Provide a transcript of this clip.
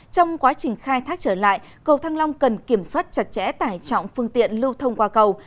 trong quá trình khai thác trở lại cầu thăng long cần kiểm soát chặt chẽ tải trọng phương tiện lưu thông qua cầu